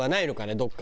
どっか。